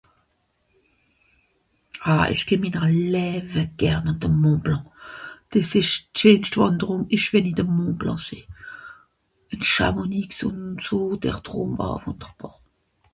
ah èsch geh minner läwe gern àn de Mont Blanc des esch d'scheenscht wànderùng isch wenn ì de Mont Blanc sìn ìn Chamonix ùn so dert dròm à wùnderbàr